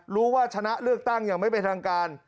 รู้ว่าชนะเลือกตั้งอย่างไม่เป็นทางการ